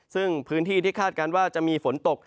ซึ่งพื้นที่ที่คาดการณ์ว่าจะมีฝนตก